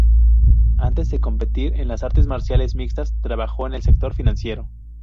Antes de competir en las artes marciales mixtas, trabajó en el sector financiero.